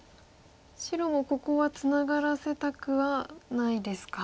白もここはツナがらせたくはないですか。